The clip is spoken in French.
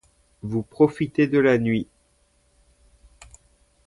Vous profitez de la nuit.